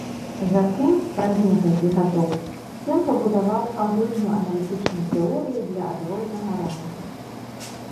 Затым, праз некалькі гадоў, ён пабудаваў агульную аналітычную тэорыю для адвольнага рангу.